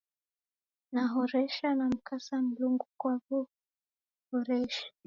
Nahoresha, namkasa Mlungu kwa w'uhoreshi